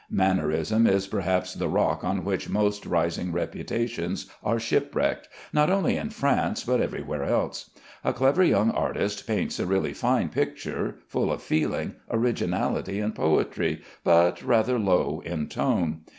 Mannerism is perhaps the rock on which most rising reputations are shipwrecked, not only in France but everywhere else. A clever young artist paints a really fine picture, full of feeling, originality, and poetry, but rather low in tone.